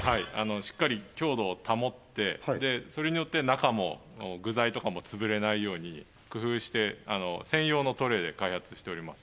しっかり強度を保ってそれによって中も具材とかも潰れないように工夫して専用のトレイで開発しております